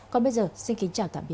còn bây giờ xin kính chào và hẹn gặp lại